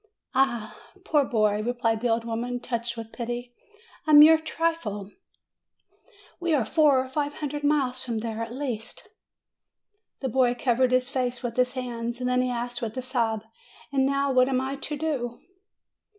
"Eh, poor boy," replied the old woman, touched with pity ; "a mere trifle ! We are four or five hundred miles from there, at least." The boy covered his face with his hands; then he asked with a sob, "And now what am I to do